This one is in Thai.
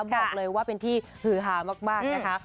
บอกเลยว่าเป็นที่ฮือฮามากนะคะ